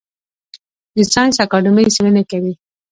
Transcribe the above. د ساینس اکاډمي څیړنې کوي